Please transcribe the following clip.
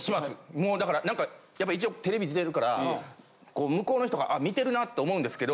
もうだから何かやっぱ一応テレビ出てるからこう向こうの人が見てるなと思うんですけど。